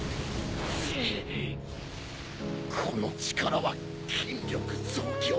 この力は筋力増強